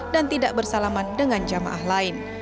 dan tidak bersalaman dengan jamaah lain